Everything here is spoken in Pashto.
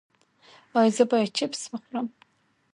ایا زه باید چپس وخورم؟